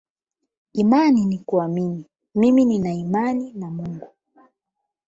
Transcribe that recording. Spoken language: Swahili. "Imani ni kuamini; mimi nna imani na Mungu"